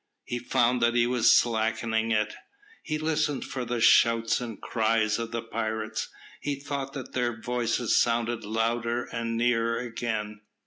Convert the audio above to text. He found that he was slackening it. He listened for the shouts and cries of the pirates. He thought that their voices sounded louder and nearer again.